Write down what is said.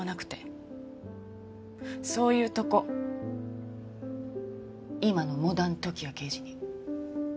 そういうとこ今のモダン時矢刑事に。